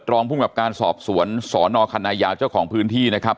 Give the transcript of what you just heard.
รองภูมิกับการสอบสวนสนคณะยาวเจ้าของพื้นที่นะครับ